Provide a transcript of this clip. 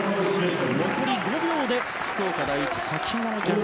残り５秒で福岡第一崎濱の逆転